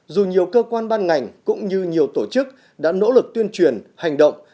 dù nhiều cơ quan ban ngành cũng như nhiều tổ chức đã nỗ lực tuyên truyền hành động